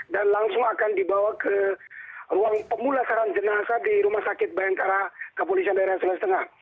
dan langsung akan dibawa ke ruang pemulasaran jenazah di rumah sakit bayangkara kapolisi daerah sula setengah